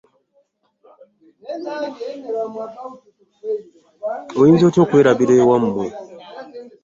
Oyinza otya okwerabira ewamwe